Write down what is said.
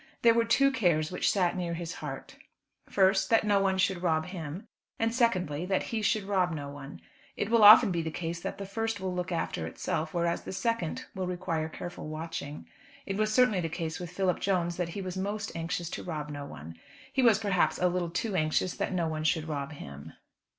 There were two cares which sat near his heart: first, that no one should rob him; and secondly, that he should rob no one. It will often be the case that the first will look after itself, whereas the second will require careful watching. It was certainly the case with Philip Jones that he was most anxious to rob no one. He was, perhaps, a little too anxious that no one should rob him.